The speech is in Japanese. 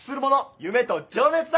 夢と情熱だ！